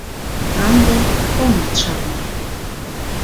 Ынде омат шарне.